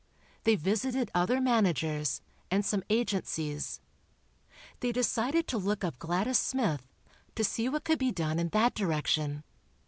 They visited other managers, and some agencies. They decided to look up Gladys Smith, to see what could be done in that direction.